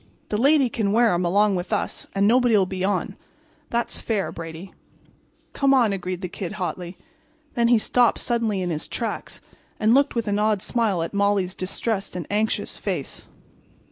The lady can wear 'em along with us and nobody'll be on. That's fair, Brady." "Come on," agreed the Kid, hotly. And then he stopped suddenly in his tracks and looked with an odd smile at Molly's distressed and anxious face.